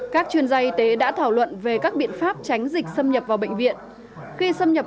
các chuyên gia y tế đã thảo luận về các biện pháp tránh dịch xâm nhập vào bệnh viện khi xâm nhập